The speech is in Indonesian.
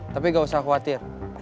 tapi gak usah khawatir